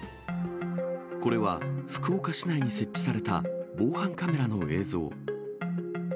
これは福岡市内に設置された防犯カメラの映像。